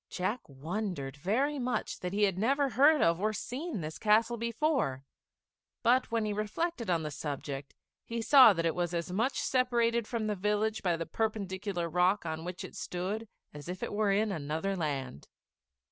Jack wondered very much that he had never heard of or seen this castle before; but when he reflected on the subject, he saw that it was as much separated from the village by the perpendicular rock on which it stood as if it were in another land.